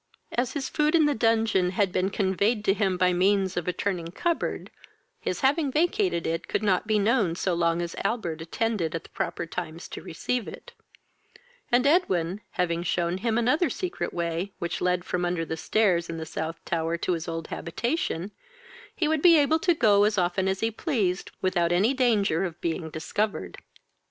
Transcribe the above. As his food in the dungeon had been conveyed to him by means of a turning cupboard, his having vacated it could not be known so long as Albert attended at the proper times to receive it; and, Edwin having shewn him another secret way, which led from under the stairs in the South tower to his old habitation, he would be able to go as often as he pleased, without any danger of being discovered.